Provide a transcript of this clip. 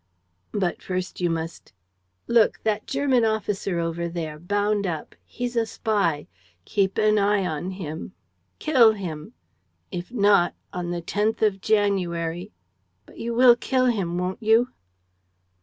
... But first you must ... Look, that German officer over there, bound up ... he's a spy. ... Keep an eye on him. ... Kill him. ... If not, on the tenth of January ... but you will kill him, won't you?"